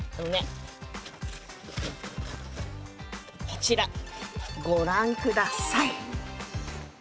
こちらご覧下さい。